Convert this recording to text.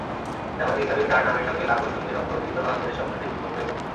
জামায়াতে ইসলামী তার নামের সঙ্গে লাখো শহীদের রক্তে অর্জিত বাংলাদেশ শব্দটি যুক্ত করেছে।